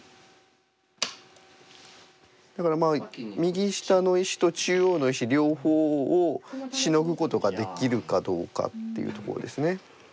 だから右下の石と中央の石両方をシノぐことができるかどうかっていうところですね。